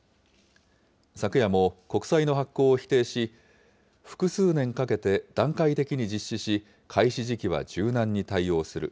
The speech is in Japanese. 昨夜も国債の発行を否定し、複数年かけて段階的に実施し、開始時期は柔軟に対応する。